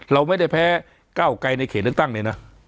เราไม่ได้แพ้ก้าวไกลในเขตเลือกตั้งเลยนะ